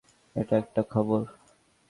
এটা একটা খবর।